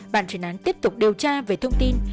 bàn truyền án tiếp tục điều tra về thông tin